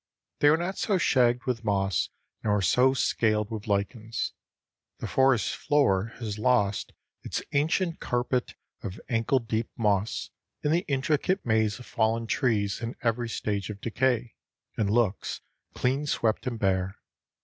They are not so shagged with moss nor so scaled with lichens. The forest floor has lost its ancient carpet of ankle deep moss and the intricate maze of fallen trees in every stage of decay, and looks clean swept and bare.